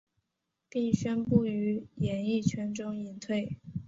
并宣布于演艺圈中隐退。